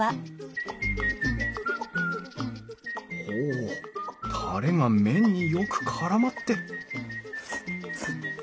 ほうタレが麺によくからまって！